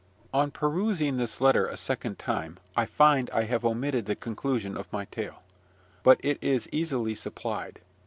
On perusing this letter a second time, I find I have omitted the conclusion of my tale; but it is easily supplied.